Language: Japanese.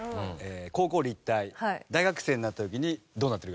高校立体大学生になった時にどうなってるかですね。